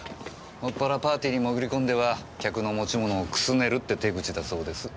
もっぱらパーティーに潜り込んでは客の持ち物をくすねるって手口だそうです。